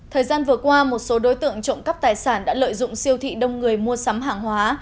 thời gian vừa qua một số đối tượng trộm cắp tài sản đã lợi dụng siêu thị đông người mua sắm hàng hóa